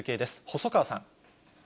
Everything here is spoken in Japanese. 細川さん。